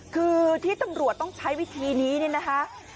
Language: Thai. คือที่ตำรวจต้องใช้วิธีนี้เนี่ยนะคะ